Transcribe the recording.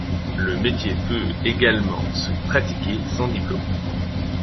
Le métier peut également se pratiquer sans diplôme.